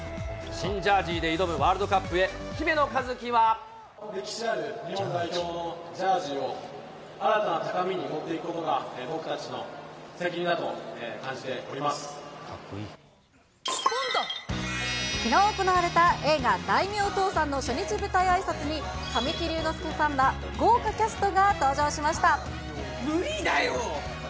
新ジャージーで挑むワールドカップへ、歴史ある日本代表のジャージーを、新たな高みに持っていくことが、きのう行われた映画、大名倒産の初日舞台あいさつに神木隆之介さんら豪華キャストが登無理だよ。